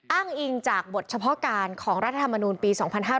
อ้างอิงจากบทเฉพาะการของรัฐธรรมนูลปี๒๕๕๙